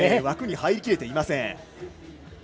枠に入りきれていません。